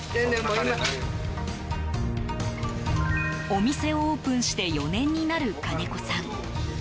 お店をオープンして４年になる金子さん。